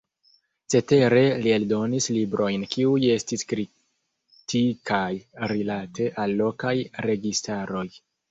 Cetere li eldonis librojn kiuj estis kritikaj rilate al lokaj registaroj.